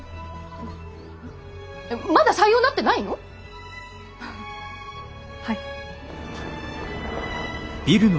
まだ採用になってないの！？